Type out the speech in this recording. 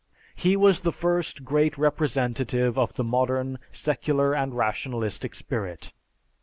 He was the first great representative of the modern secular and rationalistic spirit.